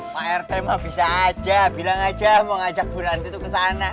pak rt mah bisa aja bilang aja mau ngajak bu rante tuh kesana